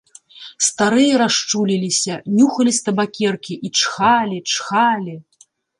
Старыя расчуліліся, нюхалі з табакеркі і чхалі, чхалі.